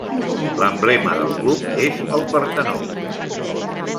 L'emblema del club és el Partenó.